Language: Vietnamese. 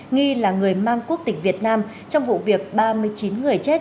nghi là người mang quốc tịch việt nam trong vụ việc ba mươi chín người chết